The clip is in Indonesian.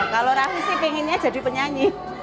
kalau raffi sih pengennya jadi penyanyi